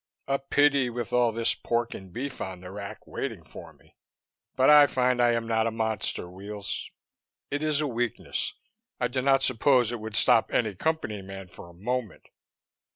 "A pity, with all this pork and beef on the rack, waiting for me, but I find I am not a monster, Weels. It is a weakness; I do not suppose it would stop any Company man for a moment."